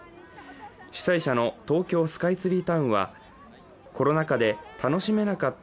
主催者の東京スカイツリータウンは、コロナ禍で楽しめなかった